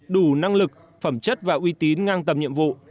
đủ năng lực phẩm chất và uy tín ngang tầm nhiệm vụ